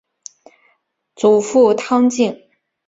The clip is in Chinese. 祖父汤敬。